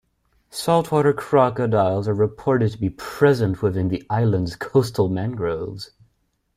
Saltwater crocodiles are reported to be present within the island's coastal mangroves.